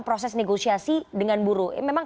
proses negosiasi dengan buruh